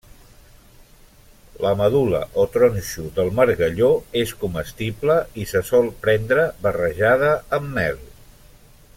La medul·la o tronxo del margalló és comestible i se sol prendre barrejada amb mel.